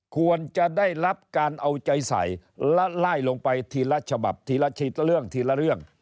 ควรจะได้รับการเอาใจใส่และไล่ลงไปทีละฉบับทีละชีดเรื่องทีละเรื่อง